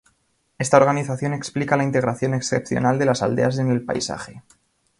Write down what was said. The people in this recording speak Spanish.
Esta organización explica la integración excepcional de las aldeas en el paisaje.